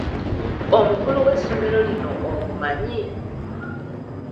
Omukulu w'essomero lino omumanyi?